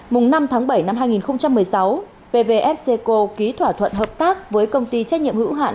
mùng năm tháng bảy năm hai nghìn một mươi sáu pvfc ký thỏa thuận hợp tác với công ty trách nhiệm hữu hạn